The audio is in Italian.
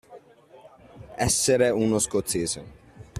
Essere uno scozzese.